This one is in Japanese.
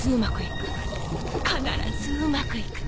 必ずうまくいく。